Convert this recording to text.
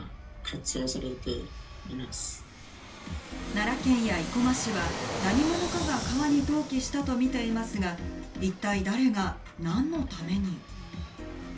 奈良県や生駒市は何者かが川に投棄したとみていますが、一体誰が、何のために？